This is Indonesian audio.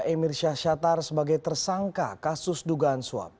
emir syah syatar sebagai tersangka kasus dugaan suap